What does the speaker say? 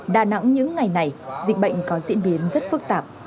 đà nẵng những ngày này dịch bệnh có diễn biến rất phức tạp